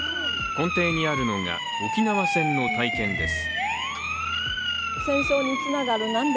根底にあるのが、沖縄戦の体験です。